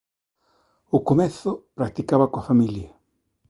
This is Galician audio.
_Ao comezo practicaba coa familia.